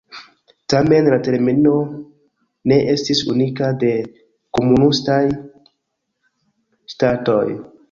Tamen, la termino ne estas unika de komunistaj ŝtatoj.